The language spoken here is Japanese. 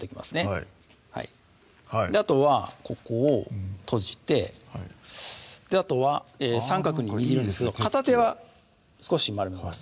はいあとはここを閉じてあとは三角に握るんですけど片手は少し丸めます